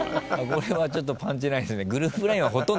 これはちょっとパンチラインっすね。